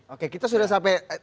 oke kita sudah sampai